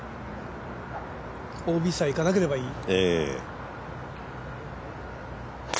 ＯＢさえいかなければいい。